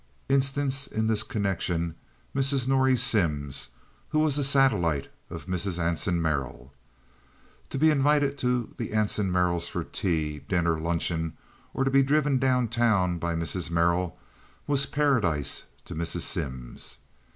Instance in this connection Mrs. Norrie Simms, who was a satellite of Mrs. Anson Merrill. To be invited to the Anson Merrills' for tea, dinner, luncheon, or to be driven down town by Mrs. Merrill, was paradise to Mrs. Simms.